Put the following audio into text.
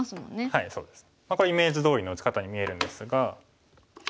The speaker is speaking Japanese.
はいそうです。これイメージどおりの打ち方に見えるんですが。